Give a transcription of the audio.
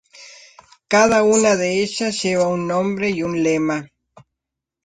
Cada una de ellas lleva un nombre y un lema.